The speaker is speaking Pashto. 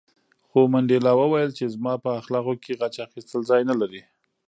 خو منډېلا وویل چې زما په اخلاقو کې غچ اخیستل ځای نه لري.